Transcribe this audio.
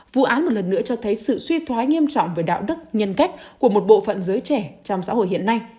vụ án một lần nữa cho thấy sự suy thoái nghiêm trọng về đạo đức nhân cách của một bộ phận giới trẻ trong xã hội hiện nay